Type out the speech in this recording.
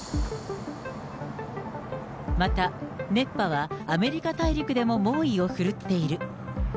また、熱波はアメリカ大陸でも猛威を振るっている。